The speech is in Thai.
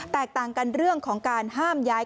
แตกต่างกันเรื่องของการห้ามย้าย